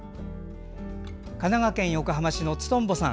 神奈川県横浜市の２トンボさん。